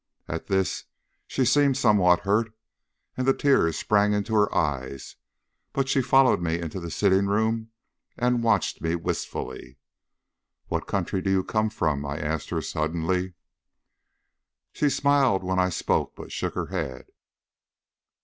At this she seemed somewhat hurt, and the tears sprang into her eyes, but she followed me into the sitting room and watched me wistfully. "What country do you come from?" I asked her suddenly. She smiled when I spoke, but shook her head.